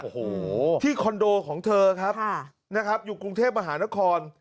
โอ้โหที่คอนโดของเธอครับนะครับอยู่กรุงเทพมหานคร